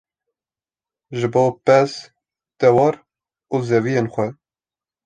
ji bo pez, dewar û zeviyên xwe